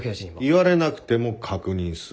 言われなくても確認する。